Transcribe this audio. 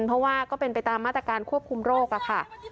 เพราะว่าก็เป็นไปตามมาตรการควบคุมโรคค่ะ